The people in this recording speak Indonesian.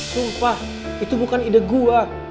sumpah itu bukan ide gua